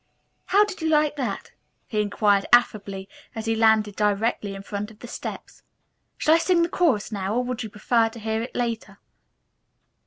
"How did you like that?" he inquired affably, as he landed directly in front of the steps. "Shall I sing the chorus now or would you prefer to hear it later."